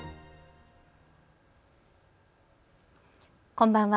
こんばんは。